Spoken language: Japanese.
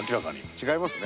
違いますね。